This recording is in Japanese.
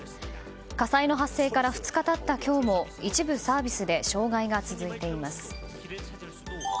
火災の発生から２日経った今日も一部サービスで障害が続いています。